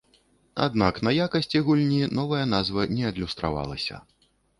Аднак на якасці гульні новая назва не адлюстравалася.